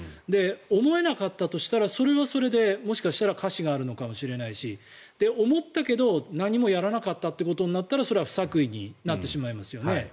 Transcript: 思えなかったとしたらそれはそれで、もしかしたら瑕疵があるのかもしれないし思ったけど、何もやらなかったということになったらそれは不作為になってしまいますよね。